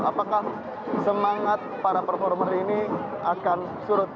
apakah semangat para performer ini akan surut